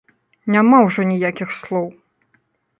Няма ўжо ніякіх слоў!